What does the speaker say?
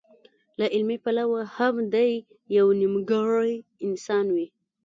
له عملي پلوه هم دی يو نيمګړی انسان وي.